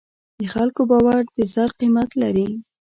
د خلکو باور د زر قیمت لري.